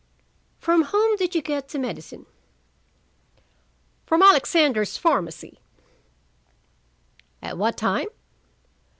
"From whom did you get the medicine?" "From Alexander's Pharmacy." "At what time?"